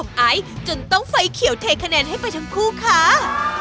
ทั้ง๒แม่บ้านอ๋อมไอจนต้องไฟเขียวเทคะแนนให้ไปทั้งคู่คะ